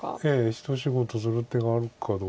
一仕事する手があるかどうかです。